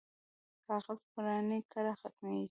کاغذ پراني کله ختمیږي؟